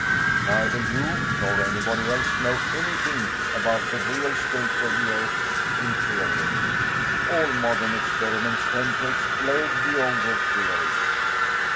"Neither you nor anybody else know anything about the real state of the earth's interior. All modern experiments tend to explode the older theories.